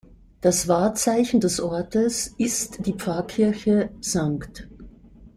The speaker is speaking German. Das Wahrzeichen des Ortes ist die Pfarrkirche „St.